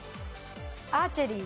アーチェリー。